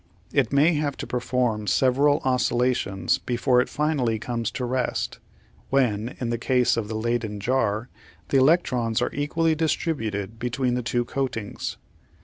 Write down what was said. It may have to perform several oscillations before it finally comes to rest, when, in the case of the Leyden jar, the elec trons are equally distributed between the two coatings.